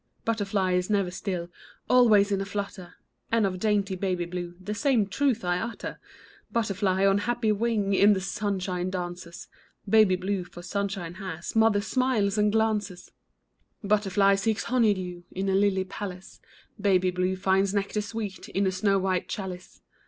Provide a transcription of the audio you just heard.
Butterfly is never still. Always in a flutter ; And of dainty Baby Blue The same truth I utter ! Butterfly on happy wing In the sunshine dances ; Baby Blue for sunshine has Mother's smiles and glances ! BUTTERFLY AND BABY BLUE 191 Butterfly seeks honey dew In a lily palace ; Baby Blue finds nectar sweet In a snow white chalice.